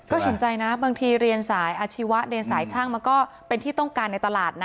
ก็เห็นใจนะบางทีเรียนสายอาชีวะเรียนสายช่างมันก็เป็นที่ต้องการในตลาดนะ